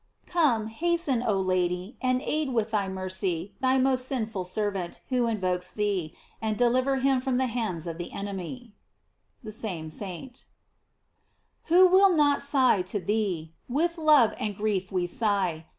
\ Come, hasten, oh Lady, and aid with thy mercy thy most sinful servant who invokes thee, and deliver him from the hands of the enem. — Who will not sigh to thee? With love and grief we sigh.